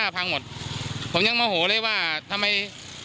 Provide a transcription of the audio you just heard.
ผมยังมโหเลยว่าทำไม